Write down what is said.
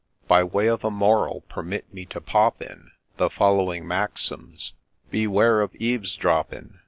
By way of a moral, permit me to pop in The following maxims :— Beware of eaves dropping